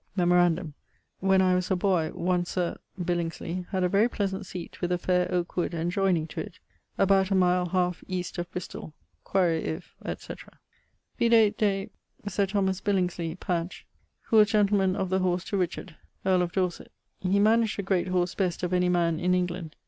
Memorandum when I was a boy, one Sir ... Billingsley had a very pleasant seate with a faire oake wood adjoyning to it, about a mile 1/2 east of Bristoll quaere if, etc. Vide de Sir Thomas Billingsley, pag. <44b>; who was gentleman of the horse to Richard, earl of Dorset. He managed the great horse best of any man in England.